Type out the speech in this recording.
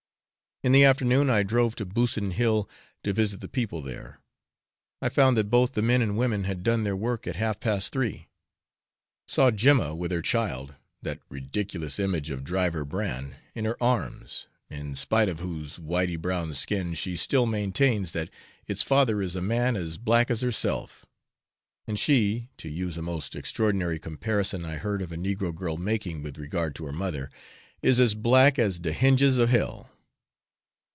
In the afternoon, I drove to Busson Hill, to visit the people there. I found that both the men and women had done their work at half past three. Saw Jema with her child, that ridiculous image of Driver Bran, in her arms, in spite of whose whitey brown skin she still maintains that its father is a man as black as herself and she (to use a most extraordinary comparison I heard of a negro girl making with regard to her mother) is as black as 'de hinges of hell.'